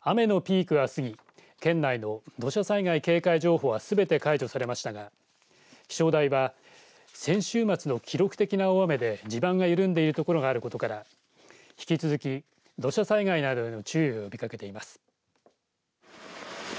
雨のピークは過ぎ、県内の土砂災害警戒情報はすべて解除されましたが気象台は、先週末の記録的な大雨で地盤が緩んでいる所があることから引き続き土砂災害などへの注意を呼びかけています。